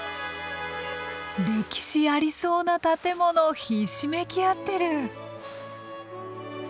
歴史ありそうな建物ひしめき合ってる。